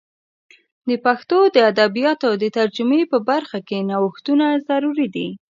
د پښتو د ادبیاتو د ترجمې په برخه کې نوښتونه ضروري دي.